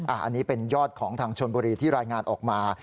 อันนี้เป็นยอดของทางชนบุรีที่รายงานออกมา